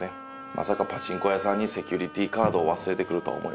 まさかパチンコ屋さんにセキュリティーカードを忘れてくるとは思いませんでした。